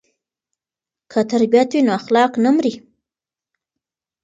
که تربیت وي نو اخلاق نه مري.